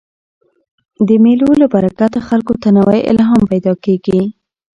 د مېلو له برکته خلکو ته نوی الهام پیدا کېږي.